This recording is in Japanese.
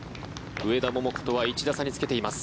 上田桃子とは１打差につけています。